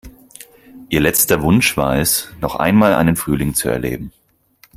Ihr letzter Wunsch war es, noch einmal einen Frühling zu erleben.